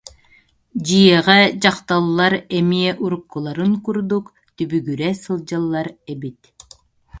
Дьиэҕэ дьахталлар эмиэ уруккуларын курдук түбүгүрэ сылдьаллар эбит